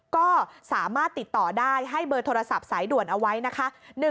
ก็สามารถติดต่อได้ให้เบอร์โทรศัพท์สายด่วนเอาไว้นะคะ